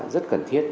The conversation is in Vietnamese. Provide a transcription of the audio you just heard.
rất cần thiết